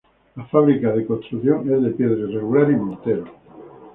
La fábrica de construcción es de piedra irregular y mortero.